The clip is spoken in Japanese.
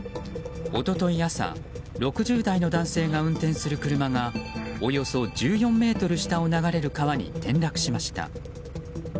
一昨日朝、６０代の男性が運転する車がおよそ１４ｍ下を流れる川に転落しました。